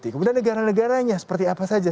kemudian negara negara nya seperti apa saja